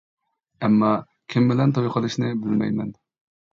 ئەمما كىم بىلەن توي قىلىشنى بىلمەيمەن.